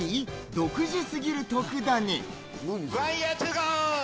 独自すぎる特ダネ。